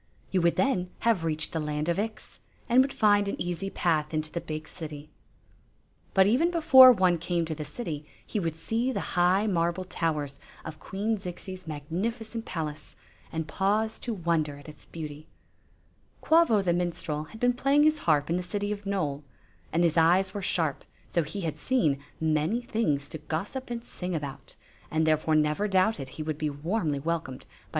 You would then have reached the land of Ix and would find an easy path into the big city. But even before one came to the city he would see the high marble towers of Queen Zixi's magnificent palace, and pause to wonder at its beauty Quavo the minstrel had been playing his harp in the city of Nole, and his eyes were sharp; so he had seen many things to gossip and nng abcmt, and ^ere fore never doubted he would be warmly welcomed by Queen Zixi.